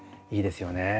いいですよね。